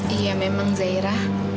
iya memang zaira